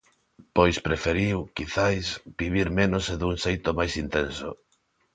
Pois preferiu, quizais, vivir menos e dun xeito máis intenso.